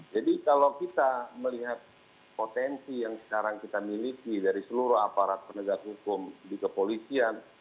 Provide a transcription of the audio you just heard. jadi kalau kita melihat potensi yang sekarang kita miliki dari seluruh aparat penegak hukum di kepolisian